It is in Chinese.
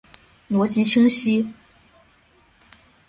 逻辑清晰！